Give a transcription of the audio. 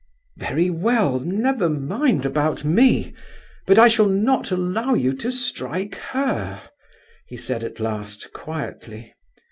"Very well—never mind about me; but I shall not allow you to strike her!" he said, at last, quietly.